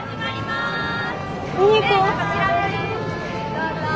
どうぞ。